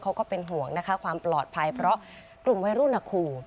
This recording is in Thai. ก็เป็นห่วงนะคะความปลอดภัยเพราะกลุ่มวัยรุ่นขู่